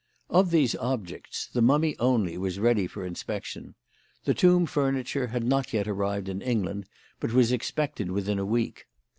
Of these objects, the mummy only was ready for inspection. The tomb furniture had not yet arrived in England, but was expected within a week.